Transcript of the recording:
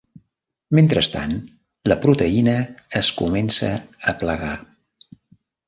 Mentrestant, la proteïna es comença a plegar.